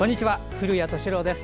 古谷敏郎です。